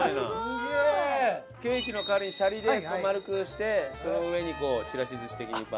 すごい！ケーキの代わりにシャリで丸くしてその上にちらし寿司的にパッと。